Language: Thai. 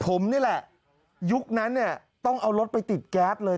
ผมนี่แหละยุคนั้นเนี่ยต้องเอารถไปติดแก๊สเลย